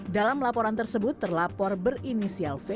dalam laporan tersebut terlapor berinisial v